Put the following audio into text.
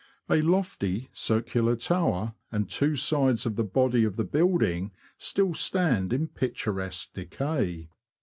A lofty, circular tower, and two sides of the body of the building, still stand in picturesque decay.